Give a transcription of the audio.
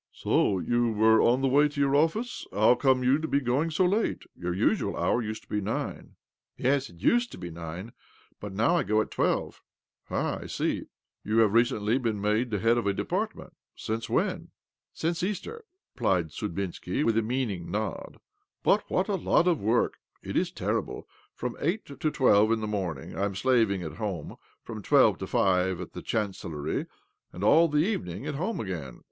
" So you were on the way to your office ? How come you to be going so late? Your usual hour used to be nine." " Yes, it used to be nine, but now I go at twelve." " Ah, I see : you have recently been made the head of a depiartment. Since when?" " Since Easter," replied Sudbinski, with a meaning nod. " But what a lot of work I It is terrible ! From eight to twelve in the morninig I am slaving at home ; from' twelve to five at the Chancellory ; and all the evening 'at home again.